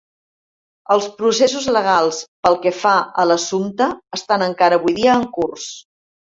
Els processos legals pel que fa a l'assumpte estan, encara avui dia, en curs.